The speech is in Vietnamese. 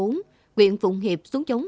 nguyện phụng hiệp xuống chống